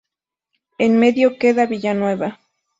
En medio queda Villanueva.